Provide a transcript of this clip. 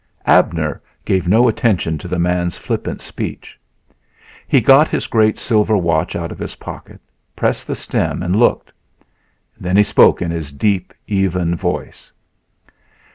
Abner gave no attention to the man's flippant speech. He got his great silver watch out of his pocket, pressed the stem and looked. Then he spoke in his deep, even voice.